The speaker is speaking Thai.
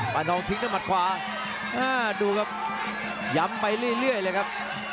ดองทิ้งด้วยมัดขวาดูครับย้ำไปเรื่อยเลยครับ